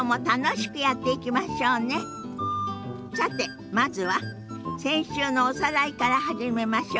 さてまずは先週のおさらいから始めましょ。